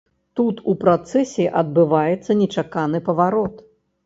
Тут у працэсе адбываецца нечаканы паварот.